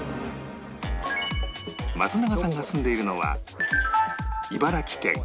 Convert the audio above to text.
松永さんが住んでいるのは